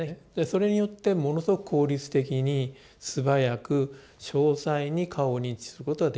それによってものすごく効率的に素早く詳細に顔を認知することができると。